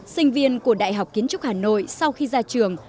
sinh viên của đại học kiến trúc hà nội sau khi ra trường